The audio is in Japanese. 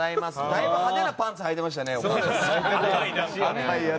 だいぶ派手なパンツはいていましたね。